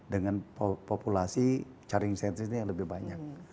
dengan populasi charging sensesnya yang lebih banyak